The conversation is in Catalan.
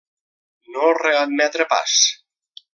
No readmetre pas.